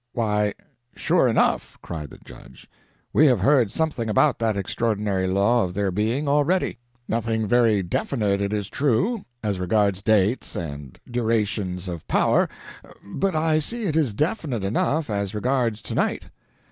"Why! sure enough!" cried the judge, "we have heard something about that extraordinary law of their being, already nothing very definite, it is true, as regards dates and durations of power, but I see it is definite enough as regards to night.